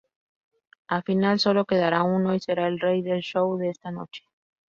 Al final sólo quedará uno y será el "rey del show" de esta noche.